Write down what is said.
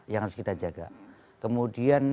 yang harus kita jaga kemudian